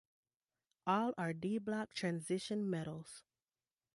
All are d-block transition metals.